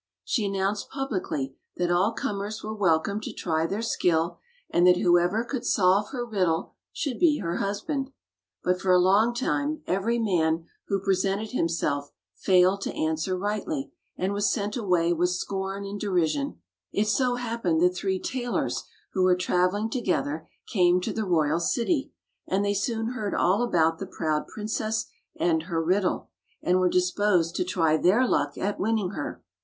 She announced publicly that all comers were welcome to try their skill, and that whoever could solve her riddle should be her husband. But for a long time every man who presented himself failed to answer rightly, and was sent away with scorn and derision. It so happened that three tailors, who were traveling together, came to the royal city, and they soon heard all about the proud princess and her riddle, and were disposed to try their luck at winning her.